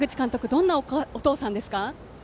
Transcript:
どんなお父さんですか？